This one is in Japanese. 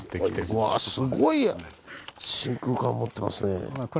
うわすごい真空管持ってますね。